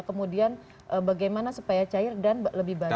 kemudian bagaimana supaya cair dan lebih baik